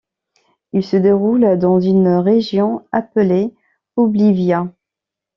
Il se déroule dans une région appelée Oblivia.